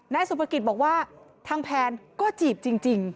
นายสุภกิจบอกว่าทางแพนก็จีบจริง